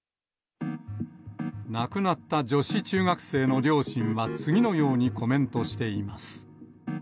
亡くなった女子中学生の両親は次のようにコメントしています。